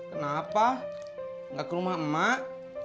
kenapa nggak ke rumah emak emak